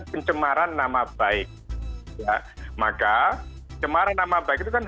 pencemaran nama baik maka pencemaran nama baik itu kan